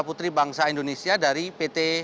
putri bangsa indonesia dari pt